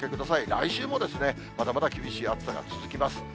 来週もまだまだ厳しい暑さが続きます。